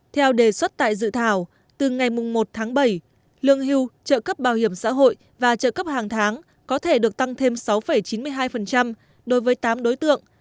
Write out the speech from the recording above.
theo đề xuất tại dự thảo từ ngày một tháng bảy lương hưu trợ cấp bảo hiểm xã hội và trợ cấp hàng tháng có thể được tăng thêm sáu chín mươi hai đối với tám đối tượng